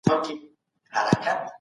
هر عادت بدلېدلی شي.